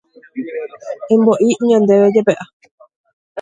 Embo'i ñandéve jepe'a.